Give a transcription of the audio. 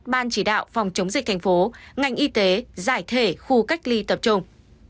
ban chỉ đạo phòng chống dịch thành phố ngành y tế giải thể khu cách ly tập trung